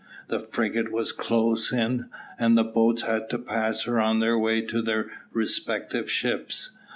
The frigate was close in, and the boats had to pass her on their way to their respective ships.